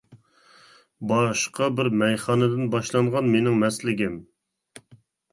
باشقا بىر مەيخانىدىن باشلانغان مېنىڭ مەستلىكىم.